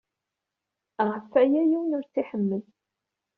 Ɣef waya, yiwen ur tt-iḥemmel.